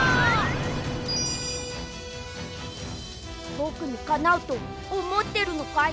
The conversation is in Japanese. ぼくにかなうとおもってるのかい？